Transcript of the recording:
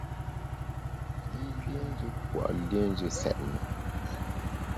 Yî liénjù pua liénjù nsètne.